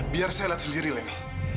biar saya lihat sendiri lagi